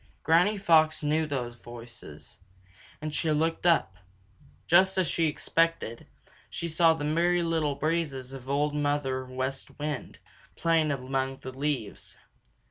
Granny Fox knew the voices, and she looked up. Just as she expected, she saw the Merry Little Breezes of Old Mother West Wind playing among the leaves.